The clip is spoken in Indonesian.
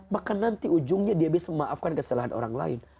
maka nanti ujungnya dia bisa memaafkan kesalahan orang lain